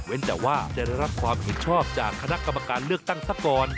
แต่ว่าจะได้รับความเห็นชอบจากคณะกรรมการเลือกตั้งซะก่อน